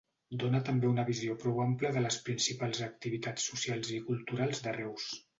Dóna també una visió prou ampla de les principals activitats socials i culturals de Reus.